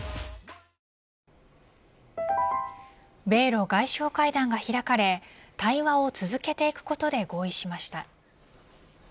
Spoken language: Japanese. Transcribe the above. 米露外相会談が開かれ対話を続けていくことで合意しました。